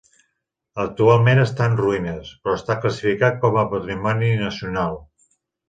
Actualment està en ruïnes, però està classificat com a patrimoni nacional.